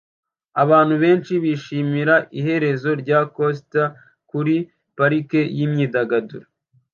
Abantu benshi bishimira iherezo rya coaster kuri parike yimyidagaduro